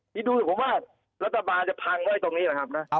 ที่ดูสิผมว่ารัฐบาลจะพังไว้ตรงนี้แหละครับนะ